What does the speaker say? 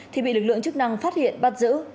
thì bị lực lượng chức năng phát hiện bắt giữ